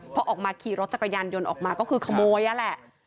พอออกมาขี่รถจักรยานยนต์ออกมาก็คือขโมยนั่นแหละ